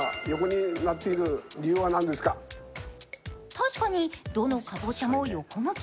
確かに、どのかぼちゃも横向き。